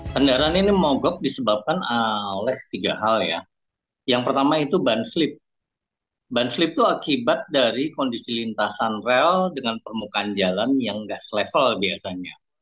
kendaraan ini mogok disebabkan oleh tiga hal ya yang pertama itu ban slip ban slip itu akibat dari kondisi lintasan rel dengan permukaan jalan yang gak se level biasanya